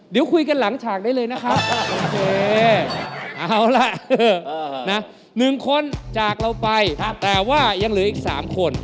เดี๋ยวคุยกันหลังฉากได้เลยนะครับเอาล่ะ๑คนจากเราไปแต่ว่ายังเหลืออีก๓คน